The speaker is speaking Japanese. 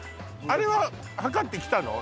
あれは測ってきたの？